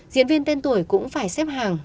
diễn viên tên tuổi cũng phải xếp hàng